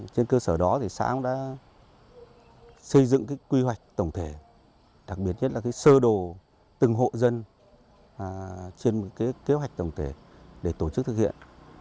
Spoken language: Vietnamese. trên cơ sở đó xã đã xây dựng quy hoạch tổng thể đặc biệt nhất là sơ đồ từng hộ dân trên một kế hoạch tổng thể để tổ chức thực hiện